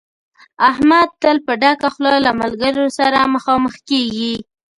احمد تل په ډکه خوله له ملګرو سره مخامخ کېږي.